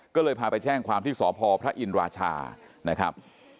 ก็เลยพาไปแจ้งความที่สพพระอินราชานะครับ